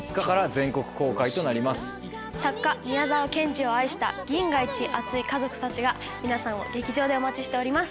作家宮沢賢治を愛した銀河いち熱い家族たちが皆さんを劇場でお待ちしております。